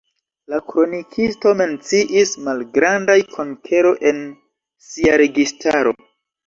La kronikisto menciis malgrandaj konkero en sia registaro.